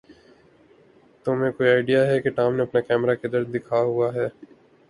تمھیں کوئی آئڈیا ہے کہ ٹام نے اپنا کیمرہ کدھر دکھا ہوا ہے؟